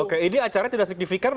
oke ini acaranya tidak signifikan